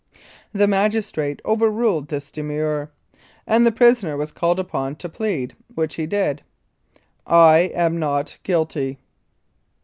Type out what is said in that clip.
The magistrate overruled this demurrer, and the prisoner was called upon to plead, which he did: "I am not guilty."